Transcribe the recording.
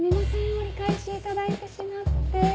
折り返しいただいてしまって。